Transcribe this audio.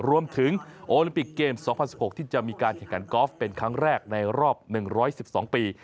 รวมถึงโอลิมปิกเกม๒๐๑๖ที่จะมีการแข่งขันกอล์ฟเป็นครั้งแรกในรอบ๑๑๒ปี